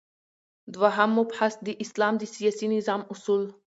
دوهم مبحث : د اسلام د سیاسی نظام اصول